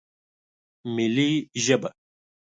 ملي ژبه